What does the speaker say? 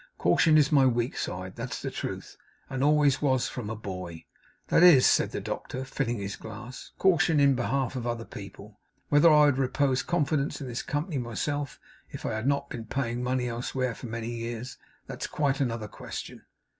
Caution is my weak side, that's the truth; and always was from a boy. That is,' said the doctor, filling his glass, 'caution in behalf of other people. Whether I would repose confidence in this company myself, if I had not been paying money elsewhere for many years that's quite another question.